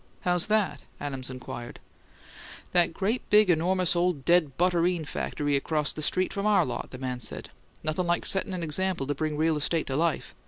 "How's that?" Adams inquired. "That great big, enormous ole dead butterine factory across the street from our lot," the man said. "Nothin' like settin' an example to bring real estate to life.